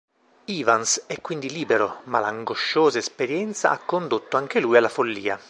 Evans è quindi libero, ma l'angosciosa esperienza ha condotto anche lui alla follia.